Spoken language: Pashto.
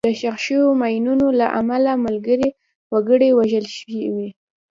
د ښخ شوو ماینونو له امله ملکي وګړي وژل شوي.